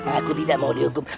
aku tidak mau dihukum